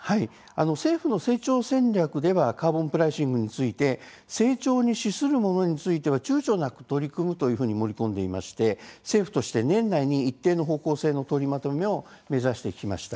政府の成長戦略ではカーボンプライシングについて成長に資するものについてはちゅうちょなく取り組むと盛り込んでいまして政府として年内に一定の方向性の取りまとめを目指してきました。